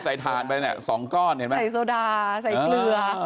ถ่านไปเนี่ยสองก้อนเห็นไหมใส่โซดาใส่เกลือ